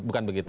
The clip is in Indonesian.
bukan begitu ya